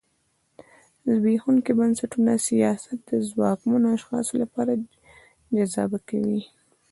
زبېښونکي بنسټونه سیاست د ځواکمنو اشخاصو لپاره جذابه کوي.